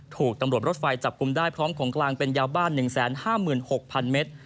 ถูกตำรวจรถไฟจับกลุ่มได้พร้อมของกลางเป็นยาบ้าน๑๕๖๐๐๐เมตร